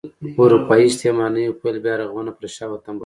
اروپايي استعمار نوي پیل بیا رغونه پر شا وتمبوله.